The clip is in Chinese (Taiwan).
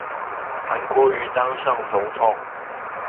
韓國瑜當上總統